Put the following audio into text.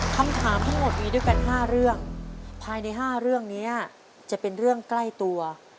คำถามทั้งหมดมีด้วยกัน๕เรื่องภายใน๕เรื่องนี้จะเป็นเรื่องใกล้ตัว